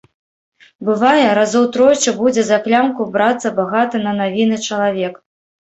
Бывае, разоў тройчы будзе за клямку брацца багаты на навіны чалавек.